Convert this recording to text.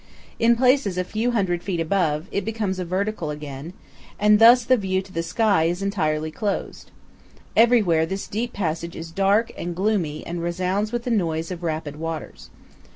In places a few hundred feet above, it becomes vertical again, and thus the view to the sky is entirely closed. Everywhere this deep passage is dark and gloomy and resounds with the noise of rapid waters.